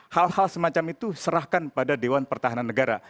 hal hal semacam itu serahkan pada dewan pertahanan negara